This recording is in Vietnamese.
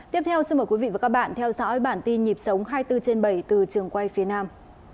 tiếp theo xin mời quý vị và các bạn theo dõi bản tin nhịp sống hai mươi bốn trên bảy từ trường quay phía nam